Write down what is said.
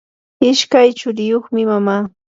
ishkay churiyuqmi mama.